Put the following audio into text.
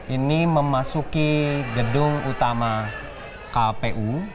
ini memasuki gedung utama kpu